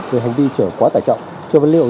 về hành vi trở quá tải trọng trở vật liệu